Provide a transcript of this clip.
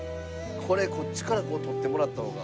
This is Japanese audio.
これこっちから撮ってもらった方が。